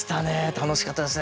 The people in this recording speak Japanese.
楽しかったですね。